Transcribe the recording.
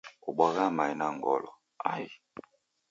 Ubwaghaa mae na ngolo, ai!